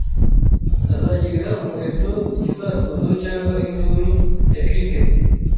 azagirira umuheto Igisakuzo cyangwa Induru ya Cricket